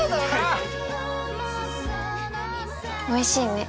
おいしいね。